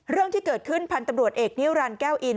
เรื่องที่เกิดขึ้นพันธุ์ตำรวจเอกนิรันดิแก้วอิน